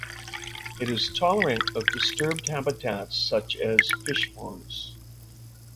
It is tolerant of disturbed habitats such as fish ponds.